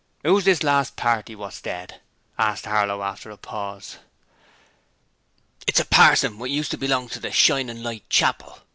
'Who is this last party what's dead?' asked Harlow after a pause. 'It's a parson what used to belong to the "Shining Light" Chapel.